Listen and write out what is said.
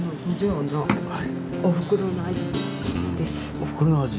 おふくろの味？